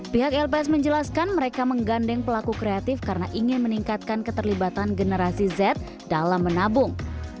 pihak lps menjelaskan mereka menggandeng pelaku kreatif karena ingin meningkatkan keterlibatan generasi z dalam menabung